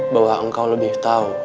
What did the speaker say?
bahwa engkau lebih tau